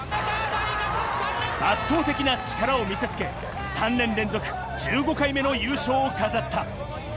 圧倒的な力を見せつけ３年連続１５回目の優勝を飾った。